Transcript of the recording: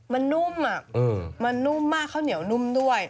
มันนุ่มมันนุ่มมากข้าวเหนียวนุ่มด้วย